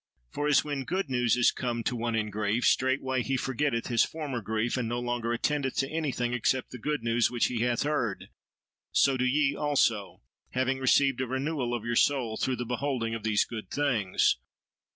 For, as when good news is come to one in grief, straightway he forgetteth his former grief, and no longer attendeth to anything except the good news which he hath heard, so do ye, also! having received a renewal of your soul through the beholding of these good things.